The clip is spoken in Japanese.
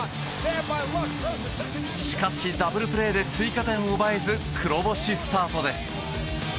しかし、ダブルプレーで追加点を奪えず黒星スタートです。